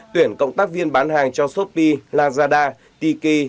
tuyển cộng tác viên bán hàng cho shopee lazada tiki